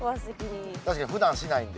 確かに普段しないんで。